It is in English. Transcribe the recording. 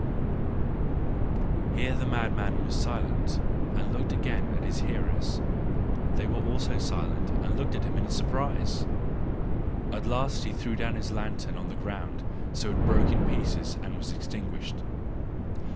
— Here the madman was silent and looked again at his hearers; they also were silent and looked at him in surprise. At last he threw his lantern on the ground, so that it broke in pieces and was extinguished.